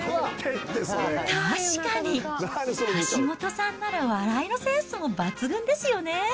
確かに、橋下さんなら笑いのセンスも抜群ですよね。